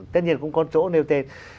tất nhiên cũng có chỗ nêu tên